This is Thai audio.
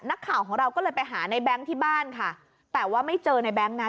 นักข่าวของเราก็เลยไปหาในแบงค์ที่บ้านค่ะแต่ว่าไม่เจอในแบงค์นะ